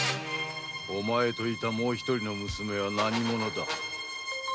お前といたもう一人の娘は何者だ？